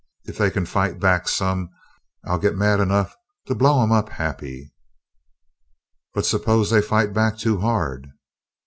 If they can fight back some I'll get mad enough to blow 'em up happy." "But suppose they fight back too hard?"